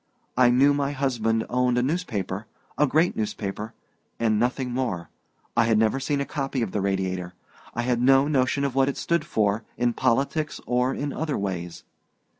I knew my husband owned a newspaper a great newspaper and nothing more. I had never seen a copy of the Radiator; I had no notion what it stood for, in politics or in other ways.